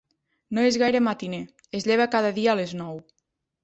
No és gaire matiner: es lleva cada dia a les nou.